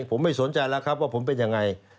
ผมไม่สนใจแล้วครับว่าผมเป็นยังไง